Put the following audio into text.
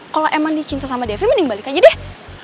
kalo emang dia cinta sama devi mending balik aja deh